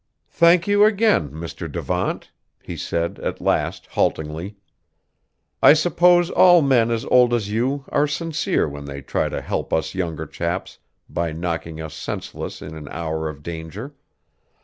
"Thank you again, Mr. Devant," he said at last haltingly; "I suppose all men as old as you are sincere when they try to help us younger chaps by knocking us senseless in an hour of danger.